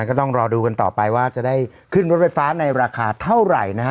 ก็ต้องรอดูกันต่อไปว่าจะได้ขึ้นรถไฟฟ้าในราคาเท่าไหร่นะฮะ